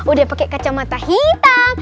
udah pakai kacamata hitam